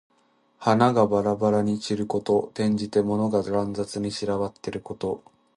花がばらばらに散ること。転じて、物が乱雑に散らばっていること。